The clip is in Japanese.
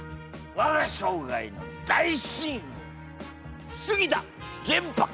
我が生涯の大親友杉田玄白！